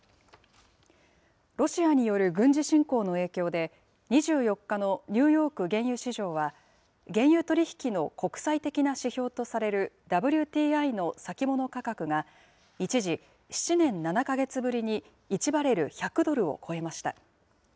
ロシアによる軍事侵攻の影響で、２４日のニューヨーク原油市場は、原油取り引きの国際的な指標とされるＷＴＩの先物価格が、一時、７年７か月ぶりに１バレル１００ドルを超えました。